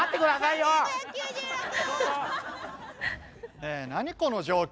ねえ何この状況？